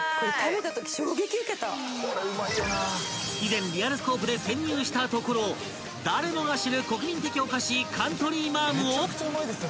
［以前『リアルスコープ』で潜入したところ誰もが知る国民的お菓子］